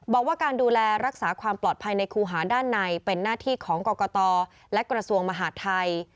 บอกว่าการดูแลรักษาความปลอดภัยในครูหาด้านในเป็นหน้าที่ของกรกตและกระทรวงมหาดไทย